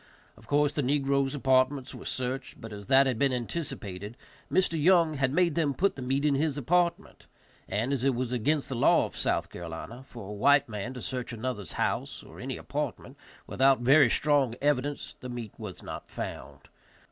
Of course the negroes' apartments were searched; but as that had been anticipated, Mr. Young had made them put the meat in his apartment, and, as it was against the law of South Carolina for a white man to search another's house, or any apartment, without very strong evidence, the meat was not found.